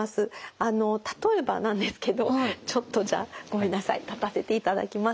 あの例えばなんですけどちょっとじゃあごめんなさい立たせていただきますね。